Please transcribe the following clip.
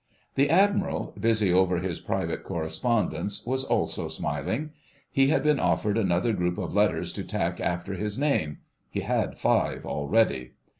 The Admiral, busy over his private correspondence, was also smiling. He had been offered another group of letters to tack after his name (he had five already).